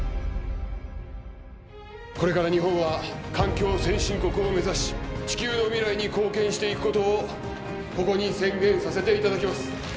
これから日本は環境先進国を目指し地球の未来に貢献していくことをここに宣言させていただきます